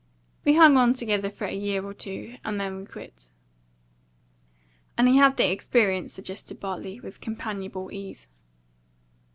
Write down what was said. We hung on together for a year or two. And then we quit." "And he had the experience," suggested Bartley, with companionable ease.